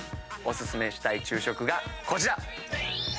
お薦めしたい昼食がこちら。